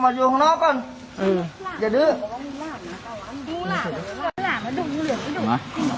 นี่เห็นจริงตอนนี้ต้องซื้อ๖วัน